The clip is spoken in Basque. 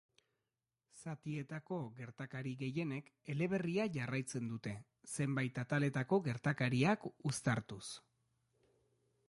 Zatietako gertakari gehienek eleberria jarraitzen dute, zenbait ataletako gertakariak uztartuz.